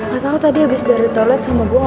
gatau tadi abis dari toilet sama bantuan gue